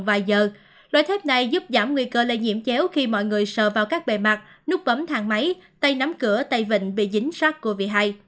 một loại thép này giúp giảm nguy cơ lây nhiễm chéo khi mọi người sợ vào các bề mặt nút bấm thang máy tay nắm cửa tay vịnh bị dính sars cov hai